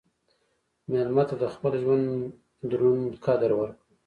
مېلمه ته د خپل ژوند دروند قدر ورکړه.